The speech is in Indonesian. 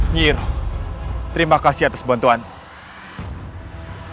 nyiroh terima kasih atas bantuannya